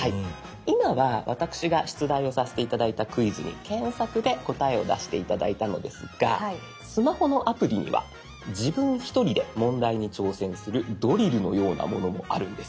今は私が出題をさせて頂いたクイズに検索で答えを出して頂いたのですがスマホのアプリには自分一人で問題に挑戦するドリルのようなものもあるんです。